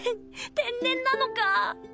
天然なのか！？